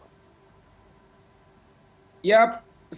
jangan jangan ada yang melihatnya